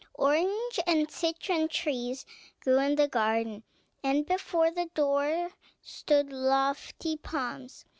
Orange and citron trees grew in the garden, and before the door stood lofty palms.